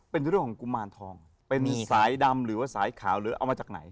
เป็นเรื่องของกุมารทองเป็นสายดำหรือว่าสายขาวหรือเอามาจากไหน